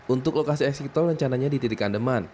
untuk lokasi eksik tol rencananya di titik andeman